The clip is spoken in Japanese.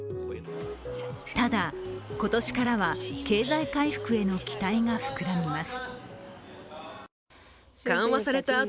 ただ、今年からは経済回復への期待がふくらみます。